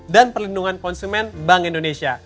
dan perlindungan konsumen bank indonesia